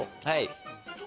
はい。